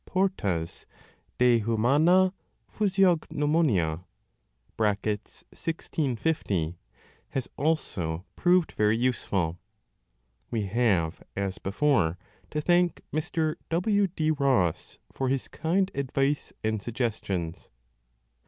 Porta s De humana physiognomonia (1650) has also proved very useful. We have, as before, to thank Mr. W. D. Ross for his kind advice and suggestions.